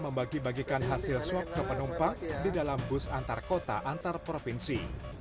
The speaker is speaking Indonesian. membagi bagikan hasil swab ke penumpang di dalam bus antar kota antar provinsi